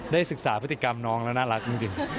ได้ศึกษาพฤติกรรมน้องแล้วน่ารักจริง